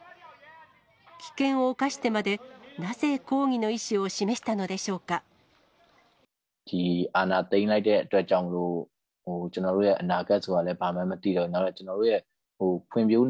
危険を冒してまで、なぜ、抗議の意思を示したのでしょうか。